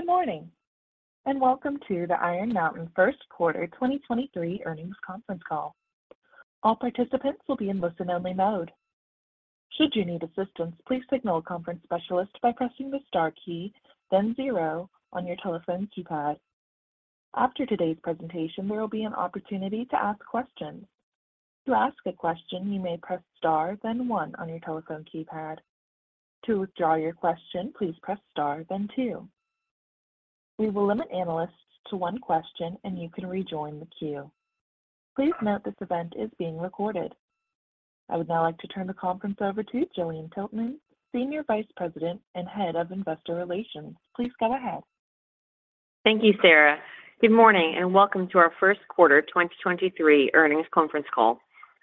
Good morning, welcome to the Iron Mountain first quarter 2023 earnings conference call. All participants will be in listen-only mode. Should you need assistance, please signal a conference specialist by pressing the star key, then 0 on your telephone keypad. After today's presentation, there will be an opportunity to ask questions. To ask a question, you may press star, then one on your telephone keypad. To withdraw your question, please press star, then two. We will limit analysts to one question, and you can rejoin the queue. Please note this event is being recorded. I would now like to turn the conference over to Gillian Tiltman, Senior Vice President and Head of Investor Relations. Please go ahead. Thank you, Sarah. Welcome to our 1st quarter 2023 earnings conference call.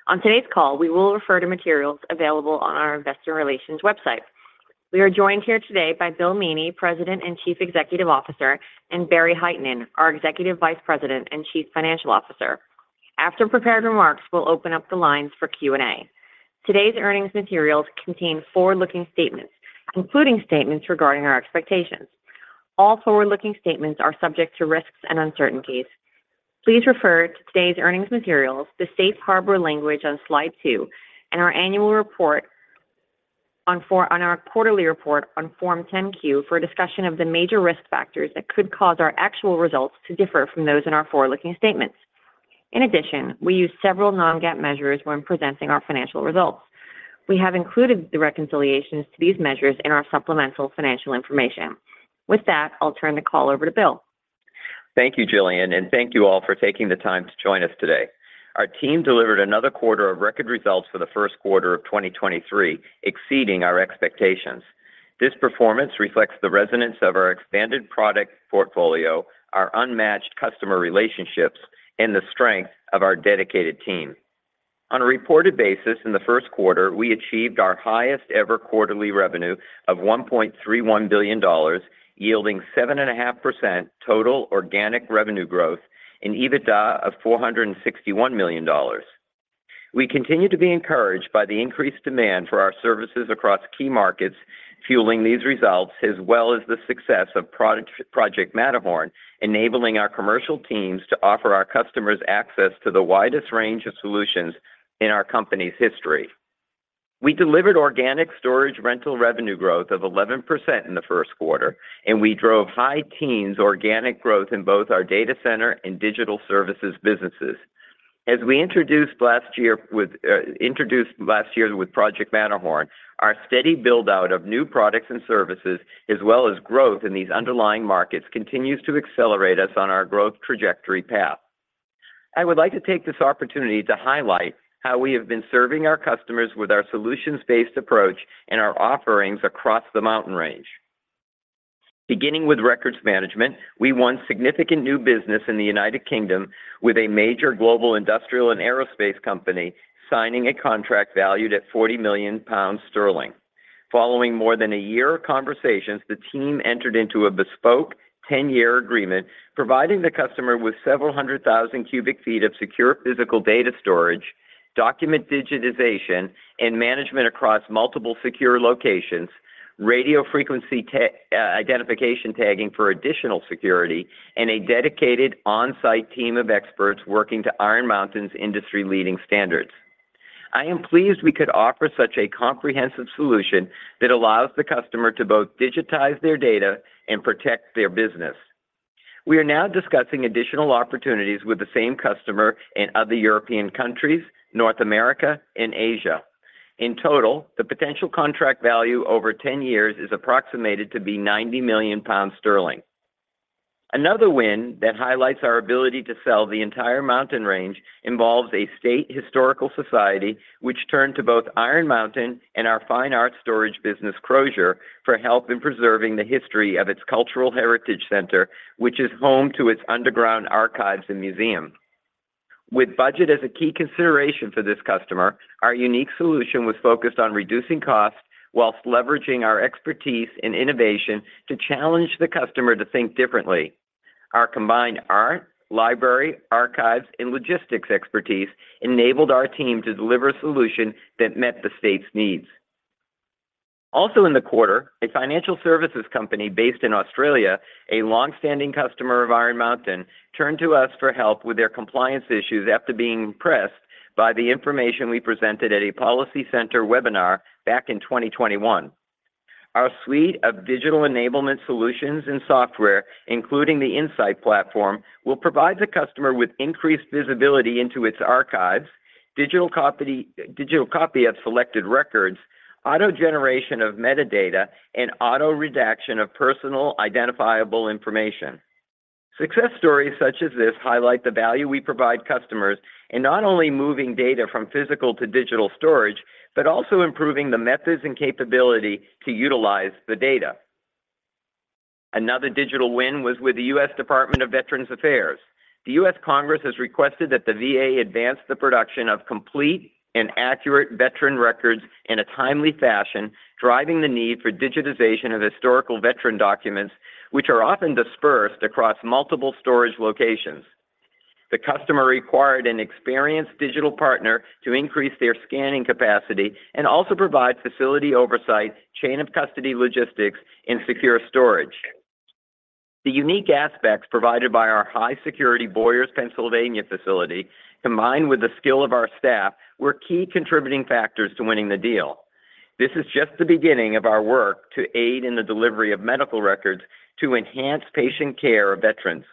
On today's call, we will refer to materials available on our investor relations website. We are joined here today by William Meaney, President and Chief Executive Officer, Barry Hytinen, our Executive Vice President and Chief Financial Officer. After prepared remarks, we'll open up the lines for Q&A. Today's earnings materials contain forward-looking statements, including statements regarding our expectations. All forward-looking statements are subject to risks and uncertainties. Please refer to today's earnings materials, the safe harbor language on slide 2, on our quarterly report on Form 10-Q for a discussion of the major risk factors that could cause our actual results to differ from those in our forward-looking statements. In addition, we use several non-GAAP measures when presenting our financial results. We have included the reconciliations to these measures in our supplemental financial information. With that, I'll turn the call over to Bill. Thank you, Gillian. Thank you all for taking the time to join us today. Our team delivered another quarter of record results for the first quarter of 2023, exceeding our expectations. This performance reflects the resonance of our expanded product portfolio, our unmatched customer relationships, and the strength of our dedicated team. On a reported basis in the first quarter, we achieved our highest-ever quarterly revenue of $1.31 billion, yielding 7.5% total organic revenue growth and EBITDA of $461 million. We continue to be encouraged by the increased demand for our services across key markets, fueling these results as well as the success of Project Matterhorn, enabling our commercial teams to offer our customers access to the widest range of solutions in our company's history. We delivered organic storage rental revenue growth of 11% in the first quarter, and we drove high teens organic growth in both our data center and digital services businesses. As we introduced last year with Project Matterhorn, our steady build-out of new products and services as well as growth in these underlying markets continues to accelerate us on our growth trajectory path. I would like to take this opportunity to highlight how we have been serving our customers with our solutions-based approach and our offerings across the mountain range. Beginning with records management, we won significant new business in the United Kingdom with a major global industrial and aerospace company signing a contract valued at 40 million pounds. Following more than a year of conversations, the team entered into a bespoke 10-year agreement providing the customer with several hundred thousand cubic feet of secure physical data storage, document digitization, and management across multiple secure locations, radio frequency identification tagging for additional security, and a dedicated on-site team of experts working to Iron Mountain's industry-leading standards. I am pleased we could offer such a comprehensive solution that allows the customer to both digitize their data and protect their business. We are now discussing additional opportunities with the same customer in other European countries, North America, and Asia. In total, the potential contract value over 10 years is approximated to be 90 million pounds. Another win that highlights our ability to sell the entire mountain range involves a state historical society which turned to both Iron Mountain and our fine art storage business, Crozier, for help in preserving the history of its cultural heritage center, which is home to its underground archives and museum. With budget as a key consideration for this customer, our unique solution was focused on reducing costs whilst leveraging our expertise and innovation to challenge the customer to think differently. Our combined art, library, archives, and logistics expertise enabled our team to deliver a solution that met the state's needs. Also in the quarter, a financial services company based in Australia, a long-standing customer of Iron Mountain, turned to us for help with their compliance issues after being impressed by the information we presented at a Policy Center webinar back in 2021. Our suite of digital enablement solutions and software, including the InSight platform, will provide the customer with increased visibility into its archives, digital copy, digital copy of selected records, auto-generation of metadata, and auto-redaction of personal identifiable information. Success stories such as this highlight the value we provide customers in not only moving data from physical to digital storage, but also improving the methods and capability to utilize the data. Another digital win was with the U.S. Department of Veterans Affairs. The United States Congress has requested that the VA advance the production of complete and accurate veteran records in a timely fashion, driving the need for digitization of historical veteran documents, which are often dispersed across multiple storage locations. The customer required an experienced digital partner to increase their scanning capacity and also provide facility oversight, chain of custody logistics, and secure storage. The unique aspects provided by our high security Boyers, Pennsylvania facility, combined with the skill of our staff, were key contributing factors to winning the deal. This is just the beginning of our work to aid in the delivery of medical records to enhance patient care of veterans.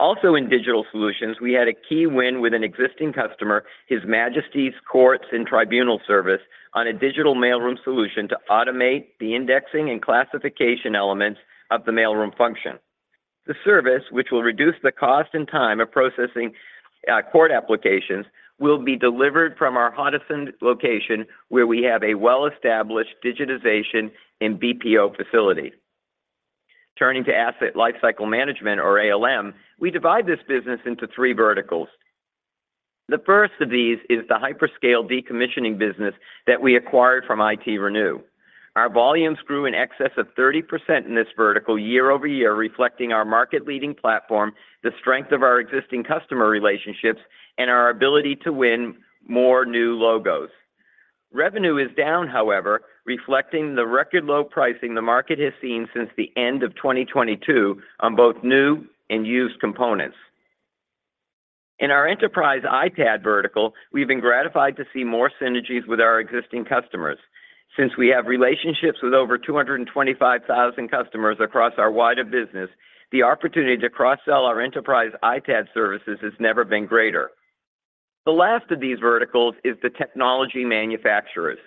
Also in digital solutions, we had a key win with an existing customer, His Majesty's Courts and Tribunals Service, on a digital mailroom solution to automate the indexing and classification elements of the mailroom function. The service, which will reduce the cost and time of processing court applications, will be delivered from our Hoddesdon location, where we have a well-established digitization and BPO facility. Turning to asset lifecycle management or ALM, we divide this business into three verticals. The first of these is the hyperscale decommissioning business that we acquired from ITRenew. Our volumes grew in excess of 30% in this vertical year-over-year, reflecting our market-leading platform, the strength of our existing customer relationships, and our ability to win more new logos. Revenue is down, however, reflecting the record low pricing the market has seen since the end of 2022 on both new and used components. In our enterprise ITAD vertical, we've been gratified to see more synergies with our existing customers. Since we have relationships with over 225,000 customers across our wider business, the opportunity to cross-sell our enterprise ITAD services has never been greater. The last of these verticals is the technology manufacturers.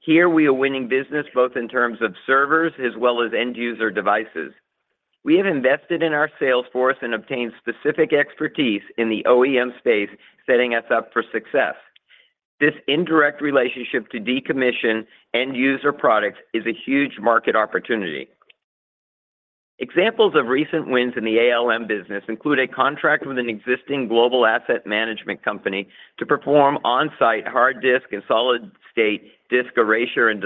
Here we are winning business both in terms of servers as well as end user devices. We have invested in our sales force and obtained specific expertise in the OEM space, setting us up for success. This indirect relationship to decommission end user products is a huge market opportunity. Examples of recent wins in the ALM business include a contract with an existing global asset management company to perform on-site hard disk and solid-state disk erasure and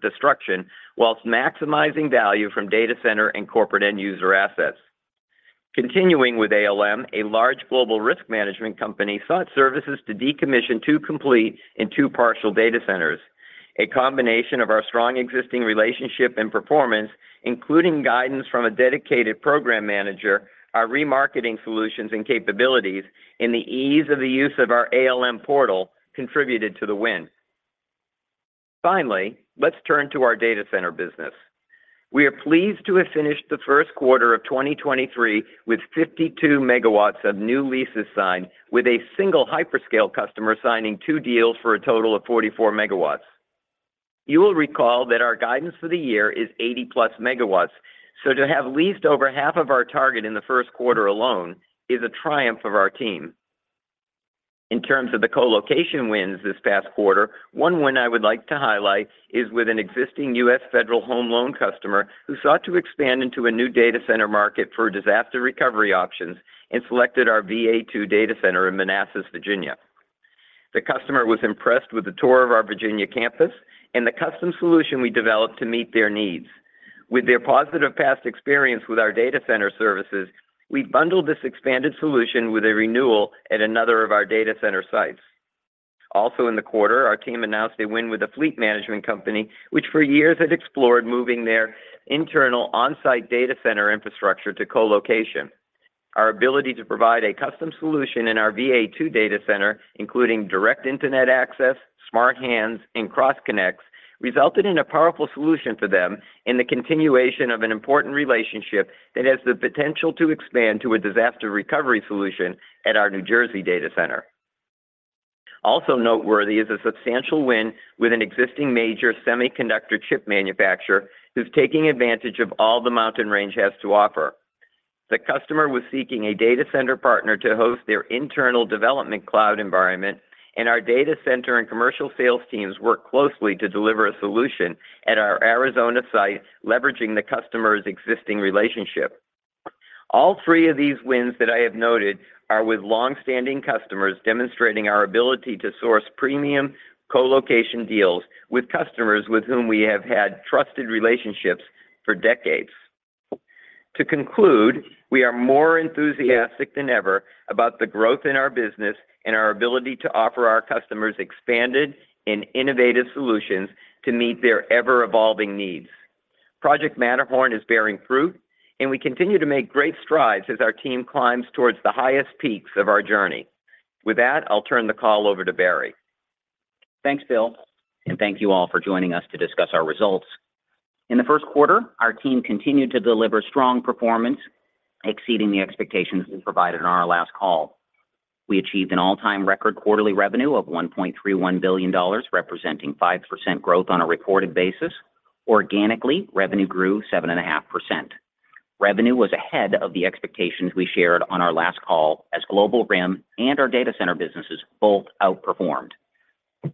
destruction while maximizing value from data center and corporate end user assets. Continuing with ALM, a large global risk management company sought services to decommission two complete and two partial data centers. A combination of our strong existing relationship and performance, including guidance from a dedicated program manager, our remarketing solutions and capabilities, and the ease of the use of our ALM portal contributed to the win. Finally, let's turn to our data center business. We are pleased to have finished the first quarter of 2023 with 52 megawatts of new leases signed with a single hyperscale customer signing two deals for a total of 44 megawatts. You will recall that our guidance for the year is 80-plus megawatts. To have leased over half of our target in the first quarter alone is a triumph of our team. In terms of the colocation wins this past quarter, one win I would like to highlight is with an existing U.S. Federal Home Loan customer who sought to expand into a new data center market for disaster recovery options and selected our VA2 data center in Manassas, Virginia. The customer was impressed with the tour of our Virginia campus and the custom solution we developed to meet their needs. With their positive past experience with our data center services, we bundled this expanded solution with a renewal at another of our data center sites. Also in the quarter, our team announced a win with a fleet management company, which for years had explored moving their internal on-site data center infrastructure to colocation. Our ability to provide a custom solution in our VA2 data center, including direct internet access, smart hands, and cross connects, resulted in a powerful solution for them and the continuation of an important relationship that has the potential to expand to a disaster recovery solution at our New Jersey data center. Also noteworthy is a substantial win with an existing major semiconductor chip manufacturer who's taking advantage of all the mountain range has to offer. The customer was seeking a data center partner to host their internal development cloud environment, our data center and commercial sales teams worked closely to deliver a solution at our Arizona site, leveraging the customer's existing relationship. All three of these wins that I have noted are with long-standing customers demonstrating our ability to source premium colocation deals with customers with whom we have had trusted relationships for decades. To conclude, we are more enthusiastic than ever about the growth in our business and our ability to offer our customers expanded and innovative solutions to meet their ever-evolving needs. Project Matterhorn is bearing fruit, and we continue to make great strides as our team climbs towards the highest peaks of our journey. With that, I'll turn the call over to Barry. Thanks, Bill, thank you all for joining us to discuss our results. In the first quarter, our team continued to deliver strong performance, exceeding the expectations we provided on our last call. We achieved an all-time record quarterly revenue of $1.31 billion, representing 5% growth on a reported basis. Organically, revenue grew 7.5%. Revenue was ahead of the expectations we shared on our last call as Global RIM and our data center businesses both outperformed.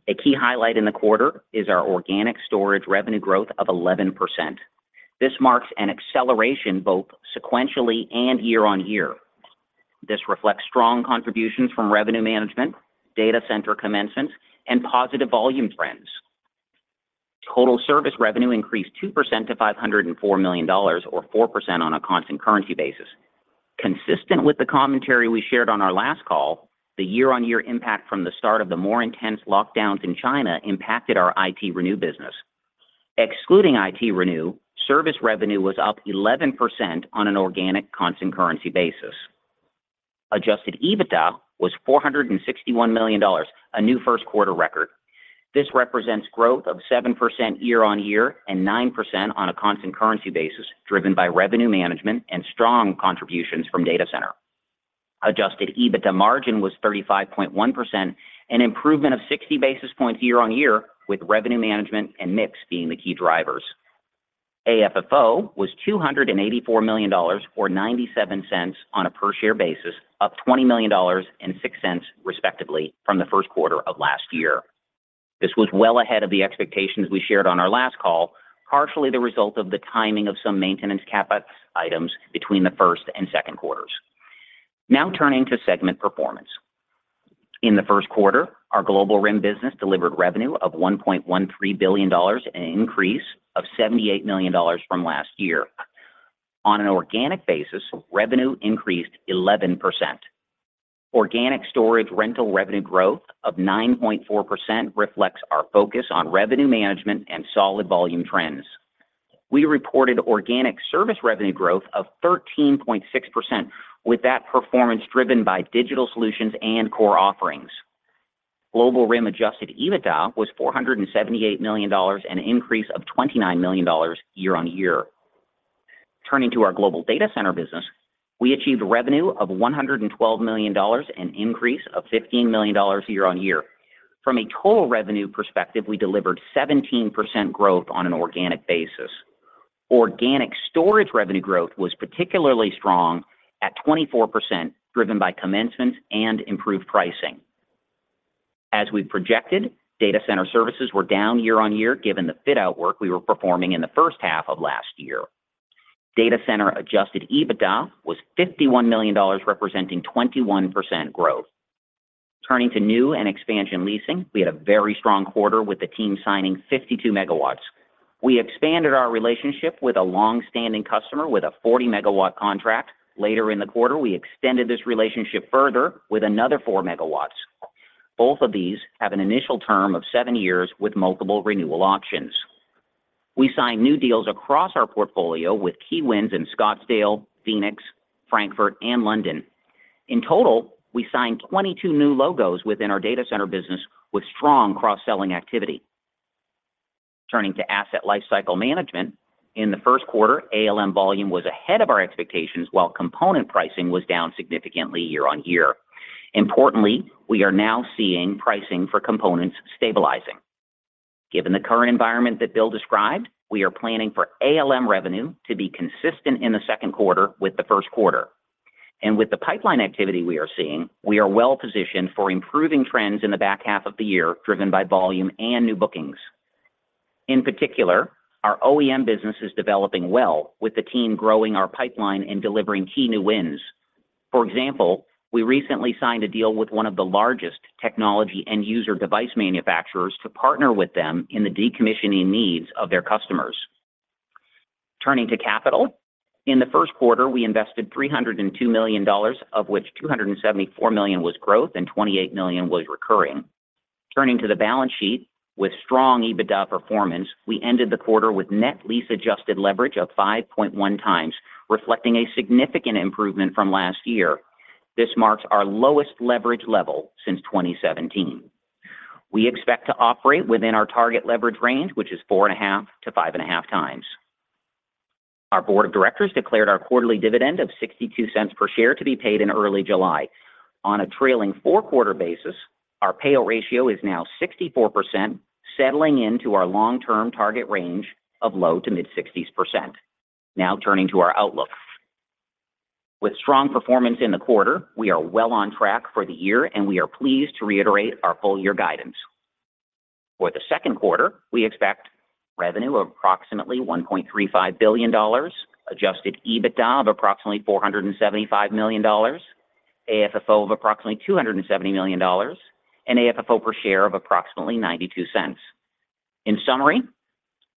A key highlight in the quarter is our organic storage revenue growth of 11%. This marks an acceleration both sequentially and year-on-year. This reflects strong contributions from revenue management, data center commencement, and positive volume trends. Total service revenue increased 2% to $504 million or 4% on a constant currency basis. Consistent with the commentary we shared on our last call, the year-on-year impact from the start of the more intense lockdowns in China impacted our ITRenew business. Excluding ITRenew, service revenue was up 11% on an organic constant currency basis. Adjusted EBITDA was $461 million, a new first quarter record. This represents growth of 7% year-on-year and 9% on a constant currency basis, driven by revenue management and strong contributions from data center. Adjusted EBITDA margin was 35.1%, an improvement of 60 basis points year-on-year, with revenue management and mix being the key drivers. AFFO was $284 million, or $0.97 on a per share basis, up $20 million and $0.06 respectively from the first quarter of last year. This was well ahead of the expectations we shared on our last call, partially the result of the timing of some maintenance CapEx items between the first and second quarters. Turning to segment performance. In the first quarter, our Global RIM business delivered revenue of $1.13 billion, an increase of $78 million from last year. On an organic basis, revenue increased 11%. Organic storage rental revenue growth of 9.4% reflects our focus on revenue management and solid volume trends. We reported organic service revenue growth of 13.6%, with that performance driven by digital solutions and core offerings. Global RIM adjusted EBITDA was $478 million, an increase of $29 million year-on-year. Turning to our Global Data Center business, we achieved revenue of $112 million, an increase of $15 million year-on-year. From a total revenue perspective, we delivered 17% growth on an organic basis. Organic storage revenue growth was particularly strong at 24%, driven by commencement and improved pricing. As we projected, data center services were down year-on-year, given the fit out work we were performing in the first half of last year. Data center adjusted EBITDA was $51 million, representing 21% growth. Turning to new and expansion leasing, we had a very strong quarter with the team signing 52 megawatts. We expanded our relationship with a long-standing customer with a 40-megawatt contract. Later in the quarter, we extended this relationship further with another 4 megawatts. Both of these have an initial term of 7 years with multiple renewal options. We signed new deals across our portfolio with key wins in Scottsdale, Phoenix, Frankfurt, and London. In total, we signed 22 new logos within our data center business with strong cross-selling activity. Turning to Asset Lifecycle Management, in the first quarter, ALM volume was ahead of our expectations while component pricing was down significantly year-over-year. Importantly, we are now seeing pricing for components stabilizing. Given the current environment that Bill described, we are planning for ALM revenue to be consistent in the second quarter with the first quarter. With the pipeline activity we are seeing, we are well positioned for improving trends in the back half of the year, driven by volume and new bookings. In particular, our OEM business is developing well with the team growing our pipeline and delivering key new wins. For example, we recently signed a deal with one of the largest technology end user device manufacturers to partner with them in the decommissioning needs of their customers. Turning to capital. In the first quarter, we invested $302 million, of which $274 million was growth and $28 million was recurring. Turning to the balance sheet with strong EBITDA performance, we ended the quarter with net lease adjusted leverage of 5.1 times, reflecting a significant improvement from last year. This marks our lowest leverage level since 2017. We expect to operate within our target leverage range, which is 4.5-5.5 times. Our board of directors declared our quarterly dividend of $0.62 per share to be paid in early July. On a trailing 4-quarter basis, our payout ratio is now 64%, settling into our long-term target range of low to mid-60s%. Turning to our outlook. With strong performance in the quarter, we are well on track for the year, we are pleased to reiterate our full year guidance. For the second quarter, we expect revenue of approximately $1.35 billion, adjusted EBITDA of approximately $475 million, AFFO of approximately $270 million, and AFFO per share of approximately $0.92. In summary,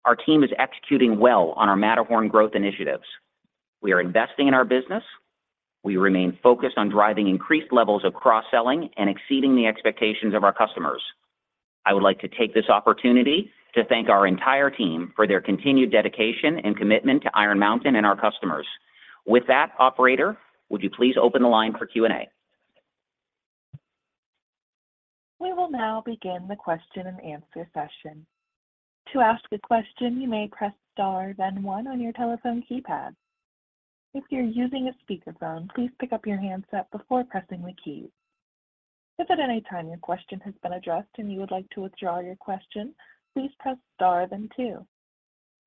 our team is executing well on our Matterhorn growth initiatives. We are investing in our business. We remain focused on driving increased levels of cross-selling and exceeding the expectations of our customers. I would like to take this opportunity to thank our entire team for their continued dedication and commitment to Iron Mountain and our customers. With that, operator, would you please open the line for Q&A? We will now begin the question and answer session. To ask a question, you may press star then one on your telephone keypad. If you're using a speakerphone, please pick up your handset before pressing the key. If at any time your question has been addressed and you would like to withdraw your question, please press star then two.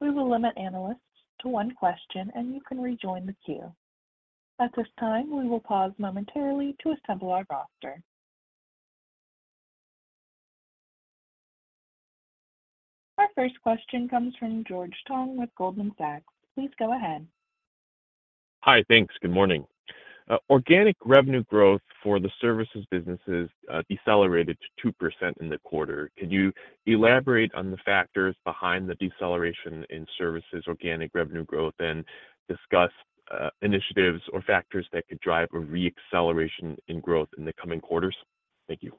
We will limit analysts to one question and you can rejoin the queue. At this time, we will pause momentarily to assemble our roster. Our first question comes from George Tong with Goldman Sachs. Please go ahead. Hi. Thanks. Good morning. Organic revenue growth for the services businesses, decelerated to 2% in the quarter. Could you elaborate on the factors behind the deceleration in services organic revenue growth and discuss initiatives or factors that could drive a re-acceleration in growth in the coming quarters? Thank you.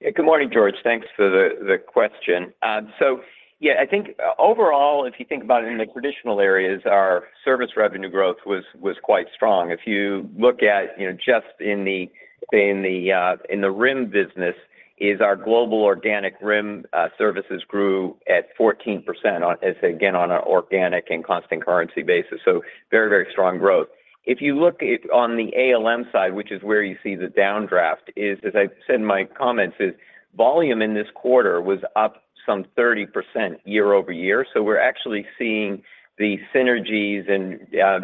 Yeah, good morning, George. Thanks for the question. I think overall, if you think about it in the traditional areas, our service revenue growth was quite strong. If you look at, you know, just in the RIM business, our Global RIM services grew at 14%. It's again, on an organic and constant currency basis, very, very strong growth. If you look at on the ALM side, which is where you see the downdraft, as I said in my comments, volume in this quarter was up some 30% year-over-year. We're actually seeing the synergies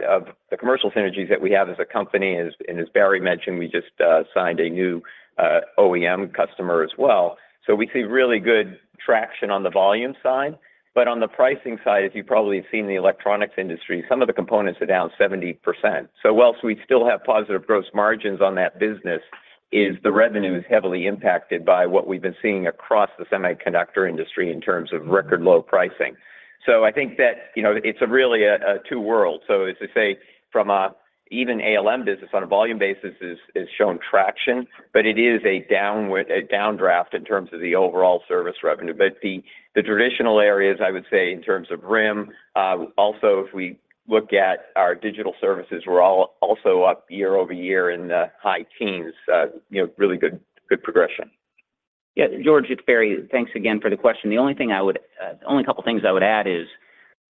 of the commercial synergies that we have as a company, and as Barry mentioned, we just signed a new OEM customer as well. We see really good traction on the volume side, but on the pricing side, as you probably have seen in the electronics industry, some of the components are down 70%. Whilst we still have positive gross margins on that business is the revenue is heavily impacted by what we've been seeing across the semiconductor industry in terms of record low pricing. I think that, you know, it's really a two world. As to say from a even ALM business on a volume basis is shown traction, but it is a downward a downdraft in terms of the overall service revenue. The traditional areas I would say in terms of RIM, also if we look at our digital services, we're also up year over year in the high teens, really good progression. Yeah, George, it's Barry. Thanks again for the question. The only thing I would, the only couple of things I would add is,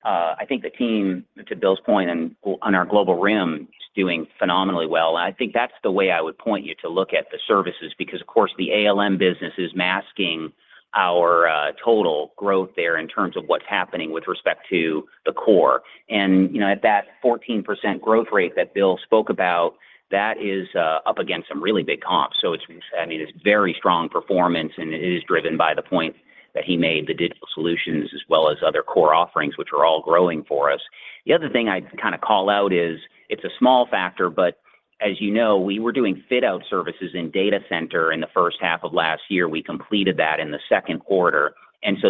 I think the team, to Bill's point on our Global RIM, is doing phenomenally well. I think that's the way I would point you to look at the services, because of course, the ALM business is masking our total growth there in terms of what's happening with respect to the core. You know, at that 14% growth rate that Bill spoke about, that is, up against some really big comps. It's, I mean, it's very strong performance, and it is driven by the point that he made, the digital solutions as well as other core offerings, which are all growing for us. The other thing I'd kind of call out is it's a small factor, but as you know, we were doing fit out services in data center in the first half of last year. We completed that in the second quarter.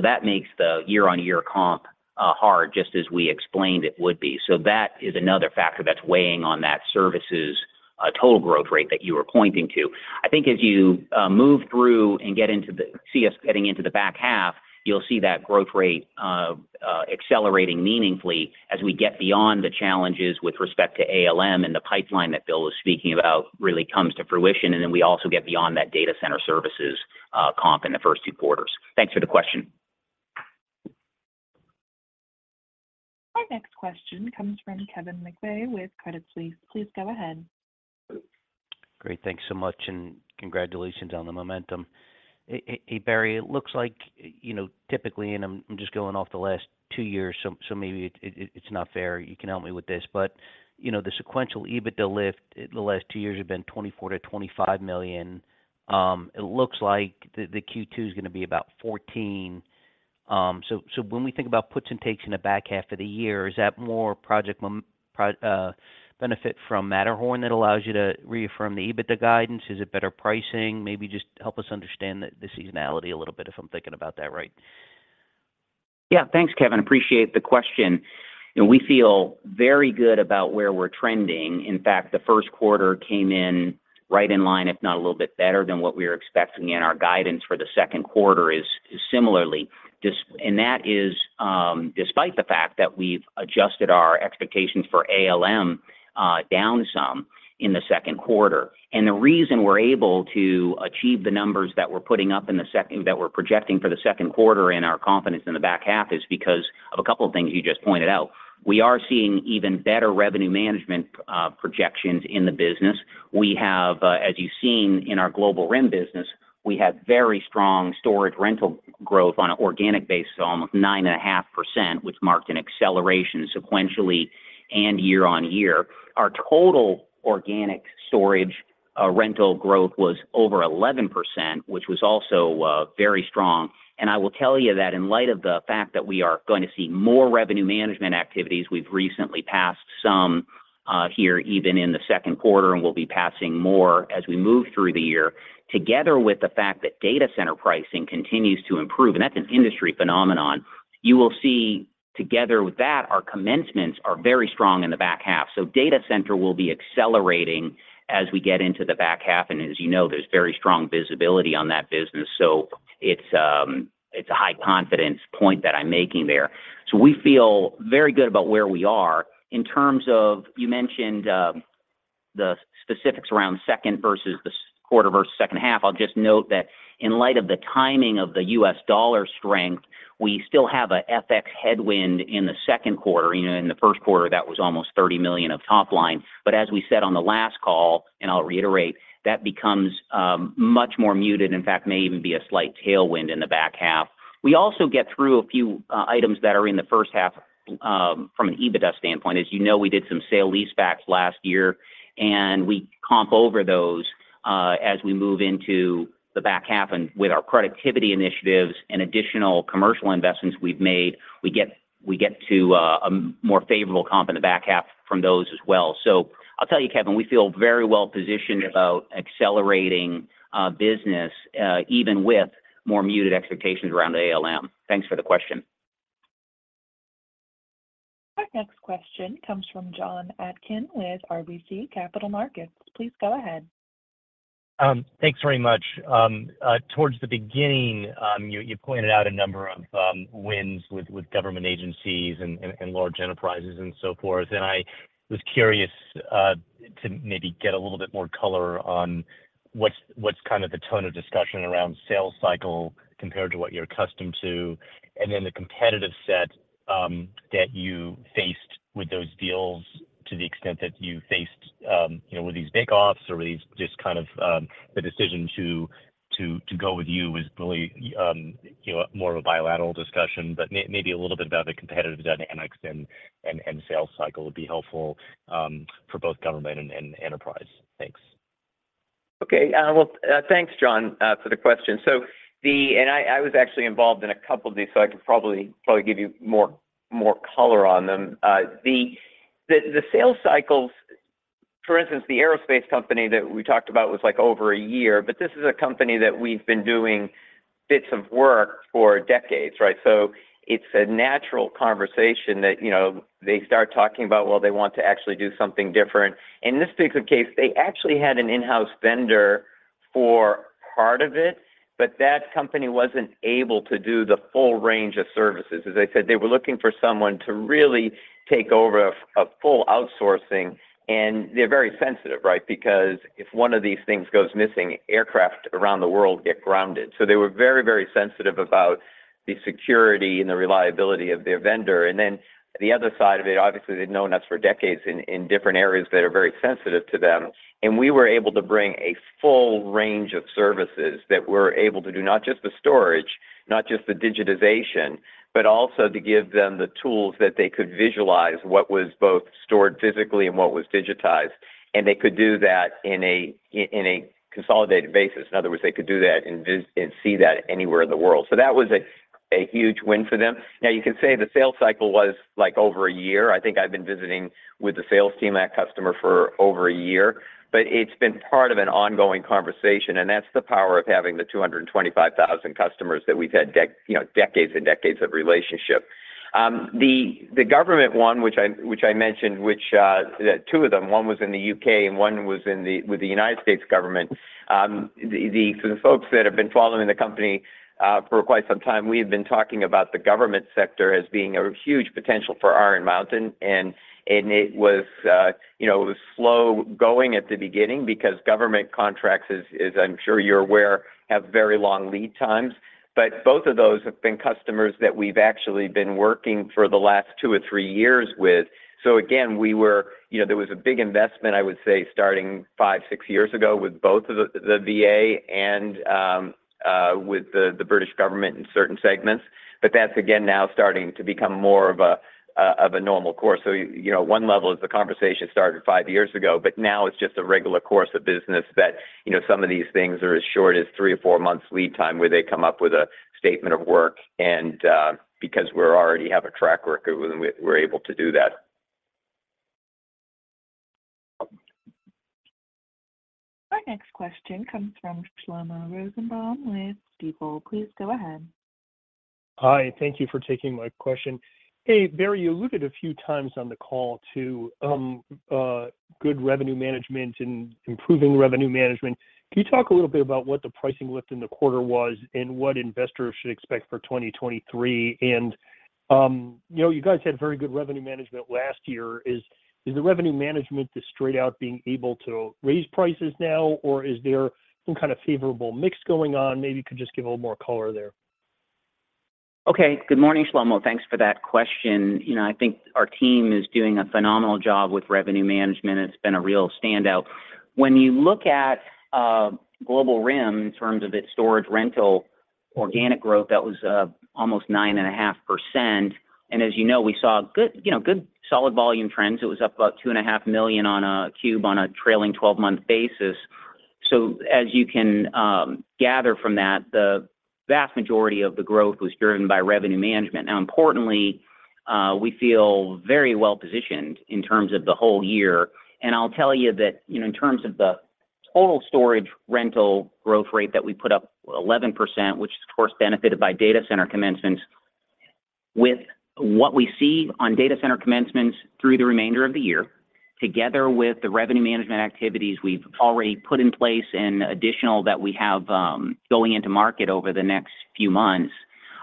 That makes the year-on-year comp hard, just as we explained it would be. That is another factor that's weighing on that services, total growth rate that you were pointing to. I think as you move through and get into the back half, you'll see that growth rate accelerating meaningfully as we get beyond the challenges with respect to ALM and the pipeline that Bill was speaking about really comes to fruition. We also get beyond that data center services, comp in the first two quarters. Thanks for the question. Our next question comes from Kevin McVeigh with Credit Suisse. Please go ahead. Great. Thanks so much, and congratulations on the momentum. Hey, Barry, it looks like, you know, typically, and I'm just going off the last two years, so maybe it's not fair. You can help me with this. You know, the sequential EBITDA lift the last two years have been $24 million-$25 million. It looks like the Q2 is gonna be about 14. So when we think about puts and takes in the back half of the year, is that more project benefit from Matterhorn that allows you to reaffirm the EBITDA guidance? Is it better pricing? Maybe just help us understand the seasonality a little bit if I'm thinking about that right. Yeah. Thanks, Kevin. Appreciate the question. You know, we feel very good about where we're trending. In fact, the first quarter came in right in line, if not a little bit better than what we were expecting, and our guidance for the second quarter is similarly. That is despite the fact that we've adjusted our expectations for ALM down some in the second quarter. The reason we're able to achieve the numbers that we're putting up in the second quarter and our confidence in the back half is because of a couple of things you just pointed out. We are seeing even better revenue management projections in the business. We have, as you've seen in our Global RIM business, we have very strong storage rental growth on an organic basis, so almost 9.5%, which marked an acceleration sequentially and year-over-year. Our total organic storage rental growth was over 11%, which was also very strong. I will tell you that in light of the fact that we are going to see more revenue management activities, we've recently passed some here even in the second quarter, and we'll be passing more as we move through the year, together with the fact that data center pricing continues to improve, and that's an industry phenomenon. You will see together with that, our commencements are very strong in the back half. Data center will be accelerating as we get into the back half. As you know, there's very strong visibility on that business. It's a high confidence point that I'm making there. We feel very good about where we are. In terms of, you mentioned, the specifics around second versus the quarter versus second half. I'll just note that in light of the timing of the U.S. dollar strength, we still have a FX headwind in the second quarter. You know, in the first quarter, that was almost $30 million of top line. As we said on the last call, and I'll reiterate, that becomes much more muted, in fact, may even be a slight tailwind in the back half. We also get through a few items that are in the first half, from an EBITDA standpoint. As you know, we did some sale leasebacks last year, and we comp over those, as we move into the back half. With our productivity initiatives and additional commercial investments we've made, we get to a more favorable comp in the back half from those as well. I'll tell you, Kevin, we feel very well positioned about accelerating business, even with more muted expectations around ALM. Thanks for the question. Our next question comes from Jonathan Atkin with RBC Capital Markets. Please go ahead. Thanks very much. Towards the beginning, you pointed out a number of wins with government agencies and large enterprises and so forth. I was curious to maybe get a little bit more color on what's kind of the tone of discussion around sales cycle compared to what you're accustomed to, and then the competitive set that you faced with those deals to the extent that you faced. You know, were these bake-offs or were these just kind of the decision to go with you was really, you know, more of a bilateral discussion? Maybe a little bit about the competitive dynamics and sales cycle would be helpful for both government and enterprise. Thanks. Okay. Well, thanks Jon for the question. I was actually involved in a couple of these, so I could probably give you more color on them. The sales cycles, for instance, the aerospace company that we talked about was, like, over a year, but this is a company that we've been doing bits of work for decades, right? It's a natural conversation that, you know, they start talking about, well, they want to actually do something different. In this particular case, they actually had an in-house vendor for part of it, but that company wasn't able to do the full range of services. As I said, they were looking for someone to really take over a full outsourcing, and they're very sensitive, right? If one of these things goes missing, aircraft around the world get grounded. They were very sensitive about the security and the reliability of their vendor. The other side of it, obviously, they've known us for decades in different areas that are very sensitive to them, and we were able to bring a full range of services that were able to do not just the storage, not just the digitization, but also to give them the tools that they could visualize what was both stored physically and what was digitized. They could do that in a consolidated basis. In other words, they could do that and see that anywhere in the world. That was a huge win for them. Now, you can say the sales cycle was, like, over one year. I think I've been visiting with the sales team, that customer, for over a year. It's been part of an ongoing conversation, and that's the power of having the 225,000 customers that we've had you know, decades and decades of relationship. The government one, which I mentioned, which, the two of them, one was in the U.K. and one was with the United States government. For the folks that have been following the company for quite some time, we have been talking about the government sector as being a huge potential for Iron Mountain. It was, you know, it was slow-going at the beginning because government contracts, as I'm sure you're aware, have very long lead times. Both of those have been customers that we've actually been working for the last two or three years with. Again, You know, there was a big investment, I would say, starting five, six years ago with both of the VA and with the British government in certain segments. That's again now starting to become more of a normal course. You know, one level is the conversation started five years ago, but now it's just a regular course of business that, you know, some of these things are as short as three or four months lead time, where they come up with a statement of work and because we're already have a track record, we're able to do that. Our next question comes from Shlomo Rosenbaum with Stifel. Please go ahead. Hi, thank you for taking my question. Hey, Barry, you alluded a few times on the call to good revenue management and improving revenue management. Can you talk a little bit about what the pricing lift in the quarter was and what investors should expect for 2023? You know, you guys had very good revenue management last year. Is the revenue management just straight out being able to raise prices now, or is there some kind of favorable mix going on? Maybe you could just give a little more color there. Good morning, Shlomo. Thanks for that question. You know, I think our team is doing a phenomenal job with revenue management. It's been a real standout. When you look at Global RIM in terms of its storage rental organic growth, that was almost 9.5%. As you know, we saw good, you know, good solid volume trends. It was up about $2.5 million on a cube on a trailing twelve-month basis. As you can gather from that, the vast majority of the growth was driven by revenue management. Importantly, we feel very well positioned in terms of the whole year. I'll tell you that, you know, in terms of the total storage rental growth rate that we put up 11%, which of course benefited by data center commencements. With what we see on data center commencements through the remainder of the year, together with the revenue management activities we've already put in place and additional that we have, going into market over the next few months,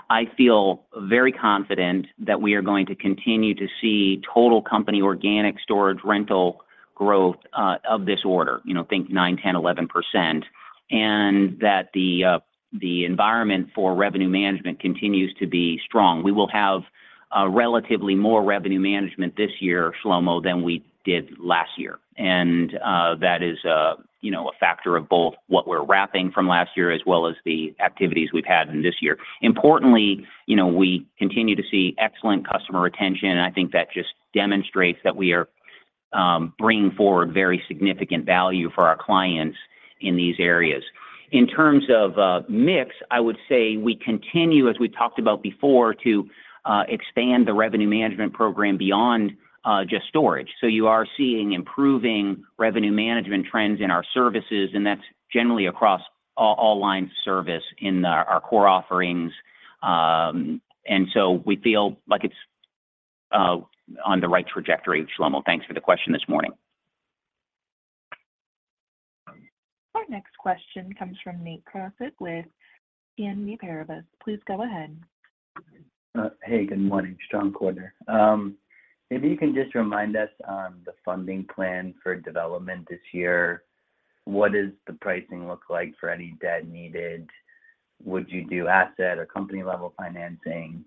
I feel very confident that we are going to continue to see total company organic storage rental growth, of this order, you know, think 9%, 10%, 11%, and that the environment for revenue management continues to be strong. We will have, relatively more revenue management this year, Shlomo, than we did last year. That is, you know, a factor of both what we're wrapping from last year as well as the activities we've had in this year. Importantly, you know, we continue to see excellent customer retention, and I think that just demonstrates that we are, bringing forward very significant value for our clients in these areas. In terms of mix, I would say we continue, as we talked about before, to expand the revenue management program beyond just storage. You are seeing improving revenue management trends in our services, and that's generally across all line service in our core offerings. We feel like it's on the right trajectory. Shlomo, thanks for the question this morning. Our next question comes from Nate Crossett with BNP Paribas. Please go ahead. Hey, good morning. Strong quarter. If you can just remind us on the funding plan for development this year, what does the pricing look like for any debt needed? Would you do asset or company-level financing?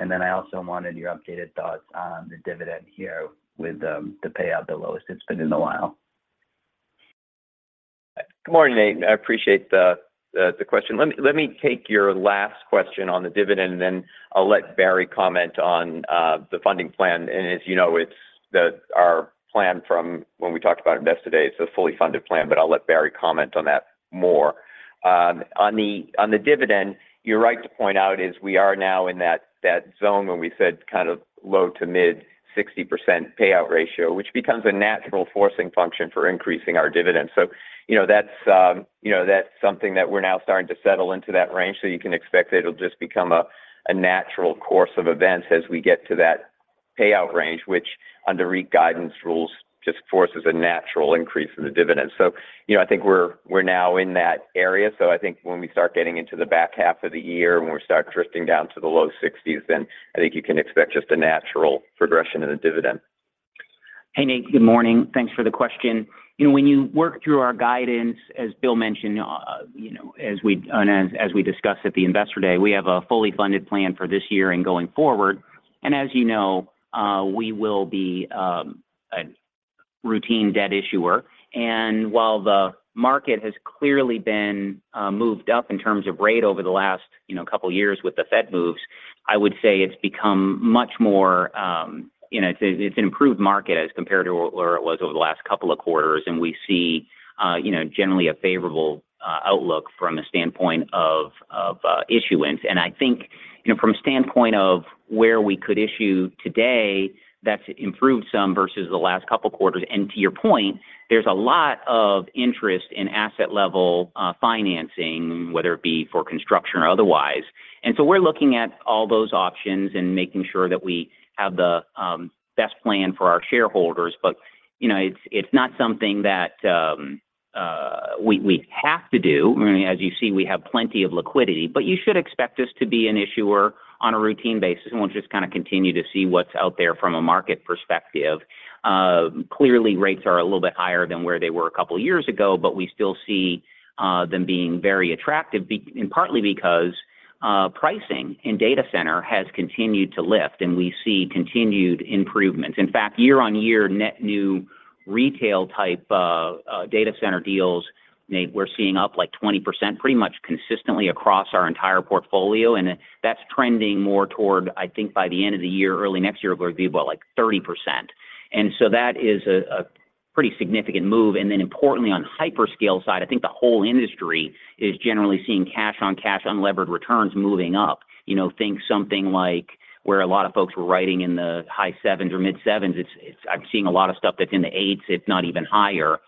I also wanted your updated thoughts on the dividend here with the payout the lowest it's been in a while. Good morning, Nate. I appreciate the question. Let me take your last question on the dividend, then I'll let Barry comment on the funding plan. As you know, our plan from when we talked about Investor Day, it's a fully funded plan. I'll let Barry comment on that more. On the dividend, you're right to point out is we are now in that zone when we said kind of low to mid 60% payout ratio, which becomes a natural forcing function for increasing our dividends. You know, that's that's something that we're now starting to settle into that range, so you can expect that it'll just become a natural course of events as we get to that payout range, which under REIT guidance rules just forces a natural increase in the dividend. You know, I think we're now in that area. I think when we start getting into the back half of the year, when we start drifting down to the low sixties, then I think you can expect just a natural progression in the dividend. Hey, Nate. Good morning. Thanks for the question. You know, when you work through our guidance, as Bill mentioned, you know, as we discussed at the Investor Day, we have a fully funded plan for this year and going forward. As you know, we will be a routine debt issuer. While the market has clearly been moved up in terms of rate over the last, you know, couple years with the Fed moves, I would say it's become much more, you know, it's an improved market as compared to where it was over the last couple of quarters, we see, you know, generally a favorable outlook from a standpoint of issuance. I think, you know, from a standpoint of where we could issue today, that's improved some versus the last couple quarters. To your point, there's a lot of interest in asset level financing, whether it be for construction or otherwise. We're looking at all those options and making sure that we have the best plan for our shareholders. You know, it's not something that we have to do. I mean, as you see, we have plenty of liquidity. You should expect us to be an issuer on a routine basis, and we'll just continue to see what's out there from a market perspective. Clearly, rates are a little bit higher than where they were a couple years ago, but we still see them being very attractive and partly because pricing in data center has continued to lift, and we see continued improvements. In fact, year-over-year, net new retail type data center deals, Nate, we're seeing up, like, 20% pretty much consistently across our entire portfolio. That's trending more toward, I think, by the end of the year, early next year, we're gonna be about, like, 30%. That is a pretty significant move. Importantly, on hyperscale side, I think the whole industry is generally seeing cash-on-cash unlevered returns moving up. You know, think something like where a lot of folks were writing in the high 7s or mid 7s. I'm seeing a lot of stuff that's in the 8s, if not even higher.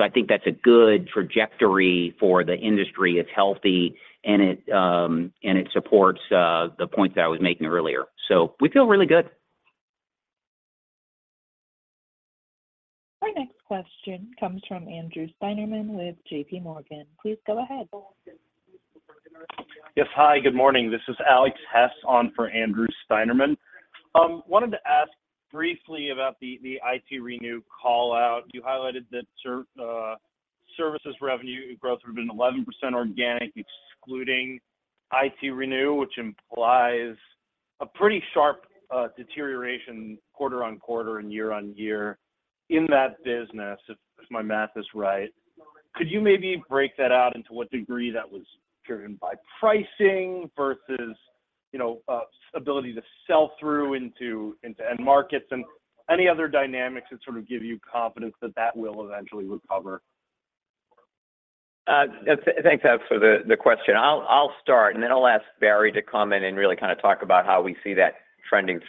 I think that's a good trajectory for the industry. It's healthy, and it supports the points that I was making earlier. We feel really good. Our next question comes from Andrew Steinerman with J.P. Morgan. Please go ahead. Yes. Hi, good morning. This is Alex Hess on for Andrew Steinerman. Wanted to ask briefly about the ITRenew call-out. You highlighted that services revenue growth had been 11% organic, excluding ITRenew, which implies a pretty sharp deterioration quarter-on-quarter and year-on-year in that business, if my math is right. Could you maybe break that out into what degree that was driven by pricing versus, you know, ability to sell through into end markets and any other dynamics that sort of give you confidence that that will eventually recover? Thanks, Alex, for the question. I'll start, and then I'll ask Barry to comment and really kind of talk about how we see that trending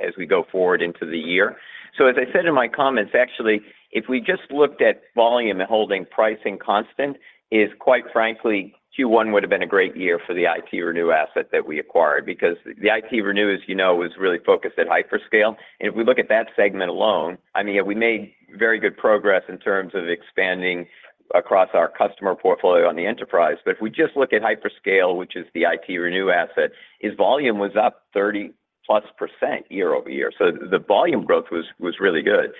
as we go forward into the year. As I said in my comments, actually, if we just looked at volume and holding pricing constant is, quite frankly, Q1 would have been a great year for the ITRenew asset that we acquired. The ITRenew, as you know, is really focused at hyperscale. If we look at that segment alone, we made very good progress in terms of expanding across our customer portfolio on the enterprise. If we just look at hyperscale, which is the ITRenew asset, its volume was up 30%+ year-over-year. The volume growth was really good.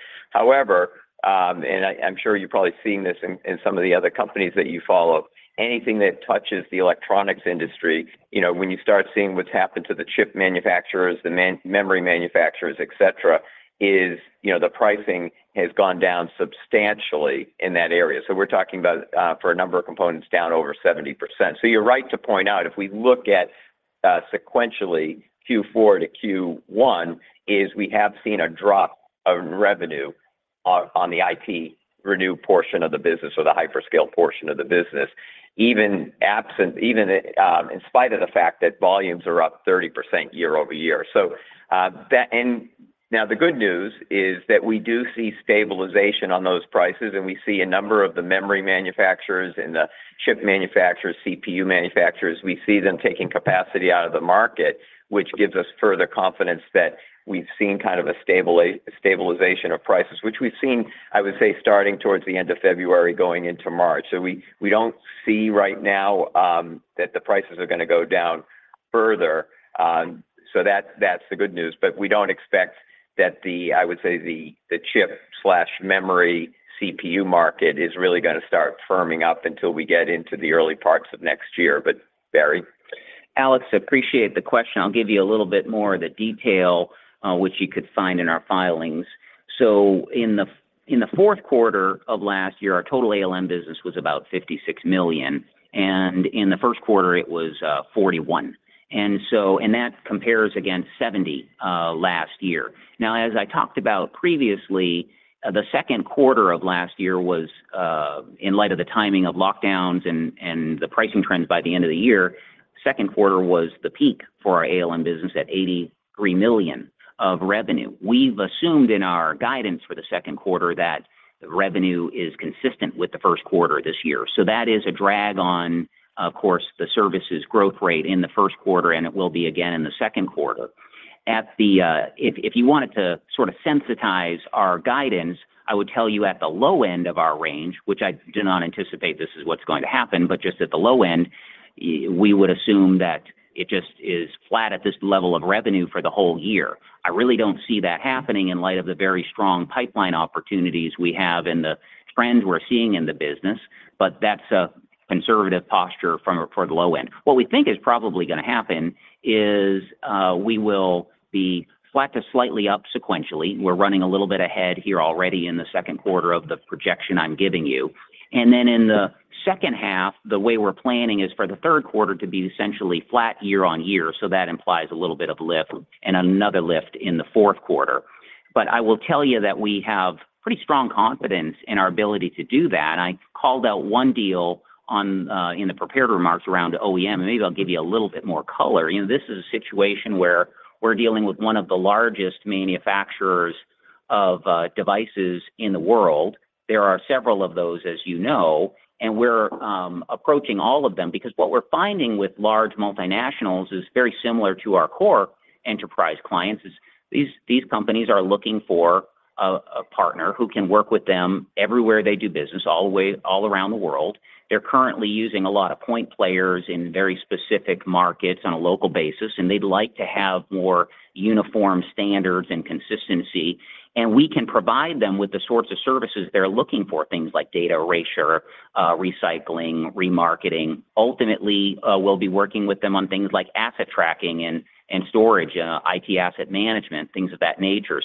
And I'm sure you've probably seen this in some of the other companies that you follow, anything that touches the electronics industry, when you start seeing what's happened to the chip manufacturers, memory manufacturers, et cetera, is, you know, the pricing has gone down substantially in that area. We're talking about, for a number of components, down over 70%. You're right to point out, if we look at, sequentially Q4 to Q1, is we have seen a drop of revenue-On the ITRenew portion of the business or the hyperscale portion of the business, even absent, even in spite of the fact that volumes are up 30% year-over-year. The good news is that we do see stabilization on those prices and we see a number of the memory manufacturers and the chip manufacturers, CPU manufacturers, we see them taking capacity out of the market, which gives us further confidence that we've seen kind of a stabilization of prices, which we've seen, I would say, starting towards the end of February going into March. We don't see right now that the prices are going to go down further. That's the good news. We don't expect that the, I would say the chip slash memory CPU market is really going to start firming up until we get into the early parts of next year. Barry? Alex, appreciate the question. I'll give you a little bit more of the detail, which you could find in our filings. In the fourth quarter of last year, our total ALM business was about $56 million. In the first quarter, it was $41 million. That compares against $70 million last year. As I talked about previously, the second quarter of last year was in light of the timing of lockdowns and the pricing trends by the end of the year, second quarter was the peak for our ALM business at $83 million of revenue. We've assumed in our guidance for the second quarter that revenue is consistent with the first quarter this year. That is a drag on, of course, the services growth rate in the first quarter, and it will be again in the second quarter. If you wanted to sort of sensitize our guidance, I would tell you at the low end of our range, which I do not anticipate this is what's going to happen, but just at the low end, we would assume that it just is flat at this level of revenue for the whole year. I really don't see that happening in light of the very strong pipeline opportunities we have and the trends we're seeing in the business, but that's a conservative posture for the low end. What we think is probably going to happen is we will be flat to slightly up sequentially. We're running a little bit ahead here already in the second quarter of the projection I'm giving you. Then in the second half, the way we're planning is for the third quarter to be essentially flat year-over-year. That implies a little bit of lift and another lift in the fourth quarter. I will tell you that we have pretty strong confidence in our ability to do that. I called out one deal in the prepared remarks around OEM, and maybe I'll give you a little bit more color. This is a situation where we're dealing with one of the largest manufacturers of devices in the world. There are several of those, as you know, and we're approaching all of them because what we're finding with large multinationals is very similar to our core enterprise clients is these companies are looking for a partner who can work with them everywhere they do business, all around the world. They're currently using a lot of point players in very specific markets on a local basis, and they'd like to have more uniform standards and consistency. We can provide them with the sorts of services they're looking for, things like data erasure, recycling, remarketing. Ultimately, we'll be working with them on things like asset tracking and storage, IT asset management, things of that nature.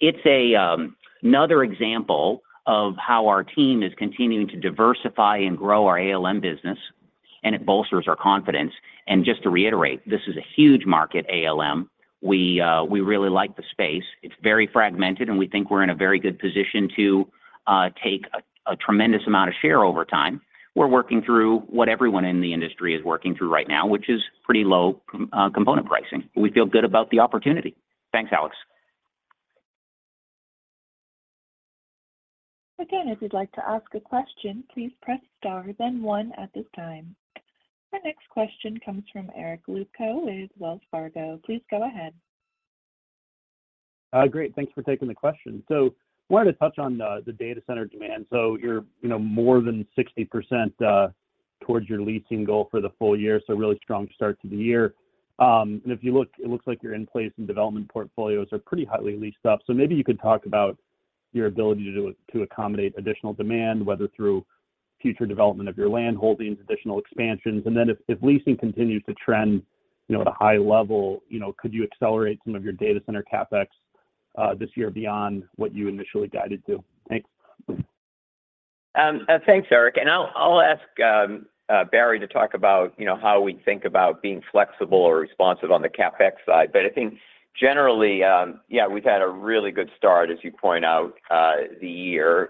It's another example of how our team is continuing to diversify and grow our ALM business, and it bolsters our confidence. Just to reiterate, this is a huge market, ALM. We really like the space. It's very fragmented, and we think we're in a very good position to take a tremendous amount of share over time. We're working through what everyone in the industry is working through right now, which is pretty low component pricing. We feel good about the opportunity. Thanks, Alex. Again, if you'd like to ask a question, please press star then one at this time. Our next question comes from Eric Luebchow with Wells Fargo. Please go ahead. Great. Thanks for taking the question. Wanted to touch on the data center demand. You're more than 60% towards your leasing goal for the full year, so really strong start to the year. If you look, it looks like your in-place and development portfolios are pretty highly leased up. Maybe you could talk about your ability to accommodate additional demand, whether through future development of your land holdings, additional expansions. If leasing continues to trend at a high level, could you accelerate some of your data center CapEx this year beyond what you initially guided to? Thanks. Thanks, Eric. I'll ask Barry to talk about how we think about being flexible or responsive on the CapEx side. I think generally, yeah, we've had a really good start, as you point out, the year.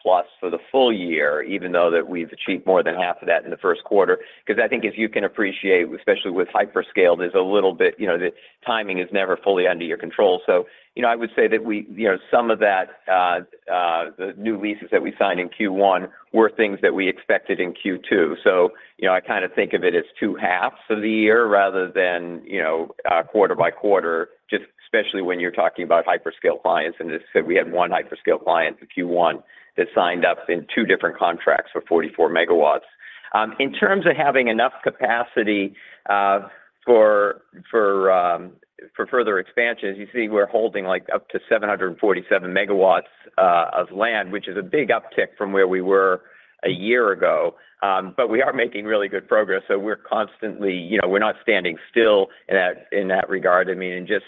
We reiterated the 80 megawatts+ for the full year, even though that we've achieved more than half of that in the 1st quarter. I think as you can appreciate, especially with hyperscale, there's a little bit, the timing is never fully under your control. I would say that some of the new leases that we signed in Q1 were things that we expected in Q2. I kind of think of it as two halves of the year rather than quarter by quarter, just especially when you're talking about hyperscale clients. We had one hyperscale client in Q1 that signed up in two different contracts for 44 MW. In terms of having enough capacity for further expansion, as you see, we're holding like up to 747 megawatts of land, which is a big uptick from where we were a year ago. We are making really good progress, so we're constantly, we're not standing still in that, in that regard. I mean, just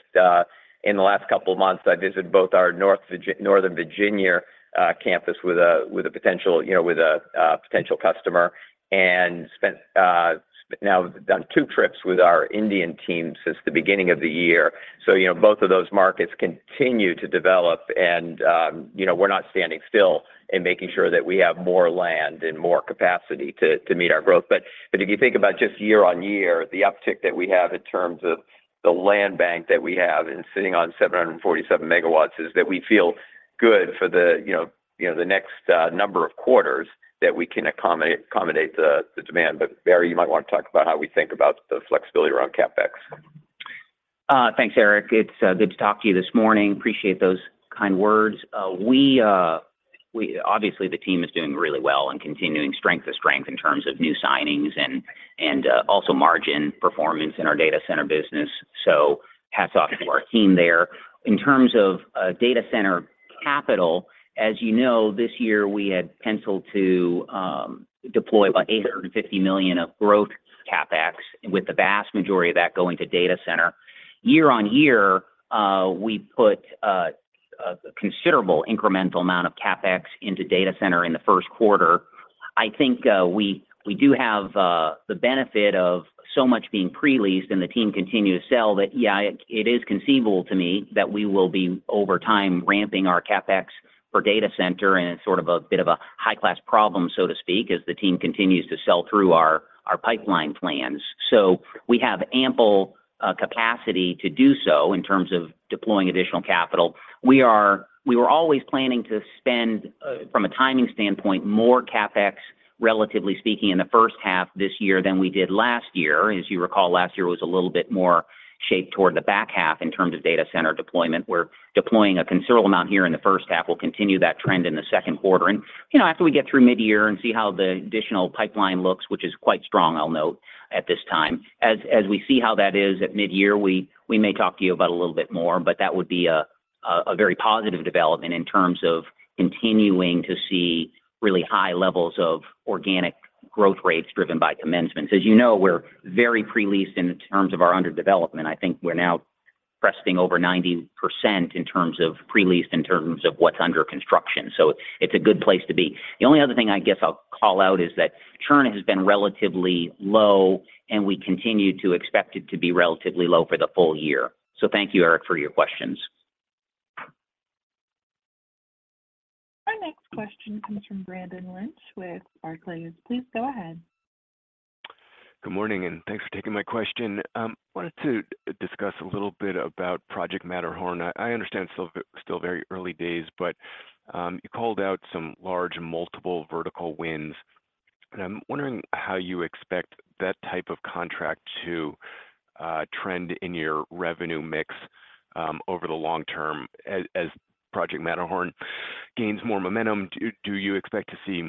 in the last couple of months, I visited both our Northern Virginia campus with a potential, you know, with a potential customer and spent now done two trips with our Indian team since the beginning of the year. Both of those markets continue to develop and, you know, we're not standing still in making sure that we have more land and more capacity to meet our growth. If you think about just year-on-year, the uptick that we have in terms of the land bank that we have and sitting on 747 MW is that we feel good for the, you know, you know, the next number of quarters that we can accommodate the demand. Barry, you might want to talk about how we think about the flexibility around CapEx. Thanks, Eric. It's good to talk to you this morning. Appreciate those kind words. We obviously, the team is doing really well and continuing strength to strength in terms of new signings and, also margin performance in our data center business. Hats off to our team there. In terms of data center capital, as you know, this year we had penciled to deploy about $850 million of growth CapEx, with the vast majority of that going to data center. Year-over-year, we put a considerable incremental amount of CapEx into data center in the first quarter. I think, we do have the benefit of so much being pre-leased and the team continue to sell that, yeah, it is conceivable to me that we will be over time ramping our CapEx for data center, and it's sort of a bit of a high-class problem, so to speak, as the team continues to sell through our pipeline plans. We have ample capacity to do so in terms of deploying additional capital. We were always planning to spend, from a timing standpoint, more CapEx, relatively speaking, in the first half this year than we did last year. As you recall, last year was a little bit more shaped toward the back half in terms of data center deployment. We're deploying a considerable amount here in the first half. We'll continue that trend in the second quarter. After we get through mid-year and see how the additional pipeline looks, which is quite strong, I'll note at this time. As we see how that is at mid-year, we may talk to you about a little bit more, but that would be a very positive development in terms of continuing to see really high levels of organic growth rates driven by commencements. As you know, we're very pre-leased in terms of our under development. I think we're now cresting over 90% in terms of pre-leased, in terms of what's under construction. It's a good place to be. The only other thing I guess I'll call out is that churn has been relatively low, and we continue to expect it to be relatively low for the full year. Thank you, Eric, for your questions. Our next question comes from Brendan Lynch with Barclays. Please go ahead. Good morning. Thanks for taking my question. Wanted to discuss a little bit about Project Matterhorn. I understand it's still very early days, but you called out some large multiple vertical wins, and I'm wondering how you expect that type of contract to trend in your revenue mix over the long term. As Project Matterhorn gains more momentum, do you expect to see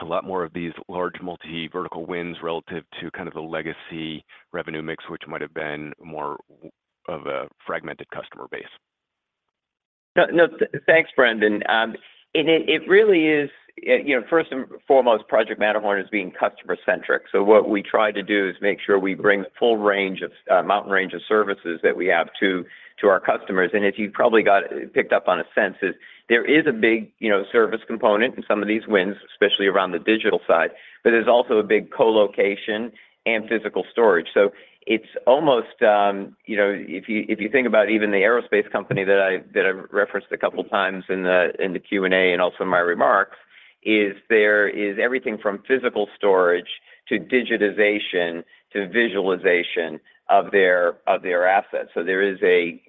a lot more of these large multi-vertical wins relative to kind of the legacy revenue mix, which might have been more of a fragmented customer base? No, no. thanks, Brendan. and it really is, you know, first and foremost, Project Matterhorn is being customer-centric. What we try to do is make sure we bring the full range of mountain range of services that we have to our customers. And as you probably got picked up on a sense is there is a big, you know, service component in some of these wins, especially around the digital side, but there's also a big co-location and physical storage. It's almost if you think about even the aerospace company that I've referenced a couple times in the Q&A and also in my remarks, is there is everything from physical storage to digitization to visualization of their assets. There is a,,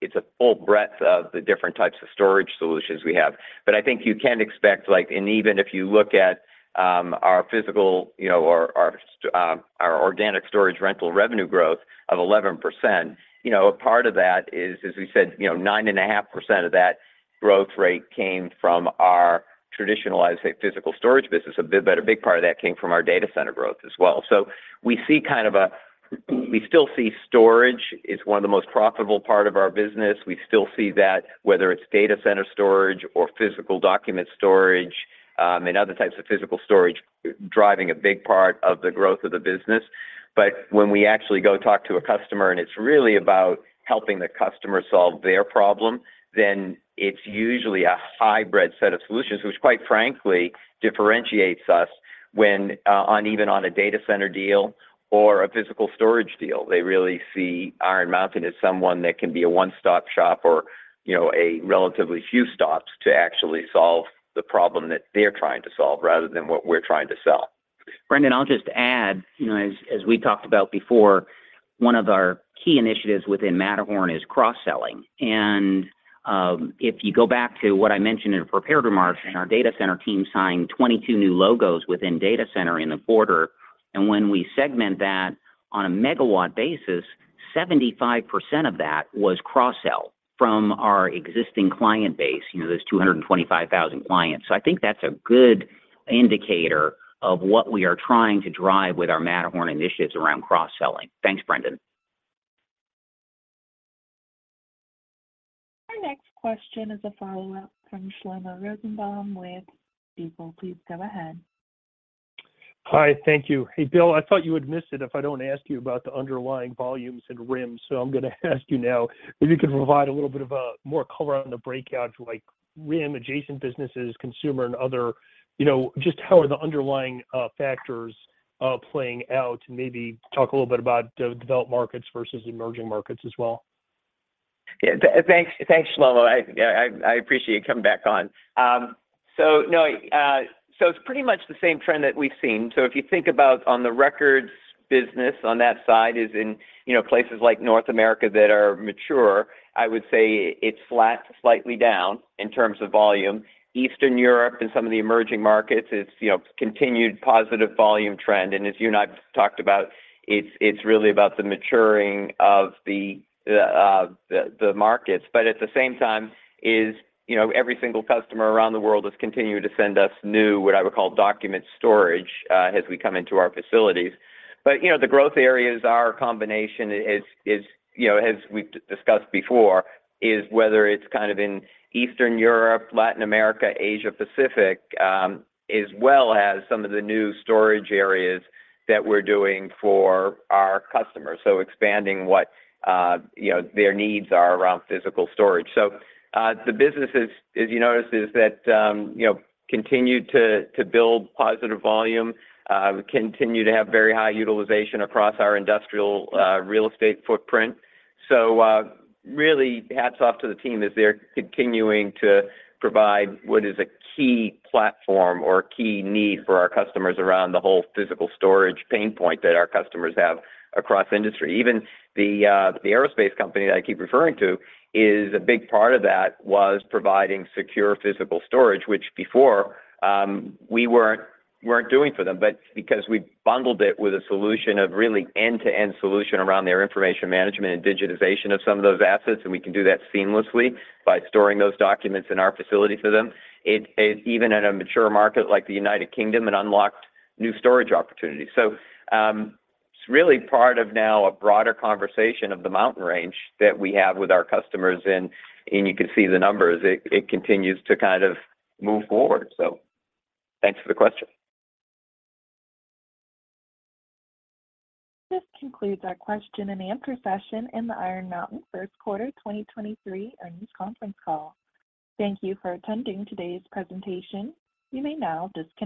it's a full breadth of the different types of storage solutions we have. I think you can expect, like and even if you look at, our physical, you know, our organic storage rental revenue growth of 11%, you know, a part of that is, as we said, you know, 9.5% of that growth rate came from our traditional, I'd say, physical storage business a bit, but a big part of that came from our data center growth as well. We see kind of a we still see storage is one of the most profitable part of our business. We still see that whether it's data center storage or physical document storage, and other types of physical storage driving a big part of the growth of the business. When we actually go talk to a customer, and it's really about helping the customer solve their problem, then it's usually a hybrid set of solutions, which quite frankly differentiates us when on even on a data center deal or a physical storage deal. They really see Iron Mountain as someone that can be a one-stop shop or, you know, a relatively few stops to actually solve the problem that they're trying to solve rather than what we're trying to sell. Brendan, I'll just add, you know, as we talked about before, one of our key initiatives within Matterhorn is cross-selling. If you go back to what I mentioned in prepared remarks, our data center team signed 22 new logos within data center in the quarter. When we segment that on a megawatt basis, 75% of that was cross-sell from our existing client base, you know, those 225,000 clients. I think that's a good indicator of what we are trying to drive with our Matterhorn initiatives around cross-selling. Thanks, Brendan. Question is a follow-up from Shlomo Rosenbaum with Stifel. Please go ahead. Hi. Thank you. Hey, Bill, I thought you would miss it if I don't ask you about the underlying volumes in RIM. I'm gonna ask you now if you could provide a little bit of more color on the breakout, like RIM adjacent businesses, consumer and other, you know, just how are the underlying factors playing out? Maybe talk a little bit about developed markets versus emerging markets as well. Yeah, thanks. Thanks, Shlomo. I, yeah, I appreciate you coming back on. No, it's pretty much the same trend that we've seen. If you think about on the records business on that side is in, you know, places like North America that are mature, I would say it's flat to slightly down in terms of volume. Eastern Europe and some of the emerging markets, it's, continued positive volume trend. As you and I have talked about, it's really about the maturing of the markets. At the same time is, you know, every single customer around the world is continuing to send us new, what I would call document storage, as we come into our facilities. You know, the growth areas are a combination is, you know, as we've discussed before, is whether it's kind of in Eastern Europe, Latin America, Asia Pacific, as well as some of the new storage areas that we're doing for our customers, so expanding what, you know, their needs are around physical storage. The business is, as you noticed, is that, continue to build positive volume, continue to have very high utilization across our industrial real estate footprint. Really hats off to the team as they're continuing to provide what is a key platform or key need for our customers around the whole physical storage pain point that our customers have across industry. Even the aerospace company that I keep referring to is a big part of that was providing secure physical storage, which before, we weren't doing for them. Because we bundled it with a solution of really end-to-end solution around their information management and digitization of some of those assets, and we can do that seamlessly by storing those documents in our facility for them. It is even in a mature market like the United Kingdom, it unlocked new storage opportunities. It's really part of now a broader conversation of the mountain range that we have with our customers, and you can see the numbers. It continues to kind of move forward. Thanks for the question. This concludes our question and answer session in the Iron Mountain First Quarter 2023 Earnings Conference Call. Thank you for attending today's presentation. You may now disconnect.